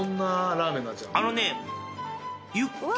あのね。